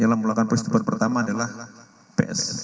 yang melakukan persetujuan pertama adalah ps